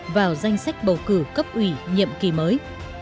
vào danh sách bầu cử cấp ủy nhiệm kỳ mới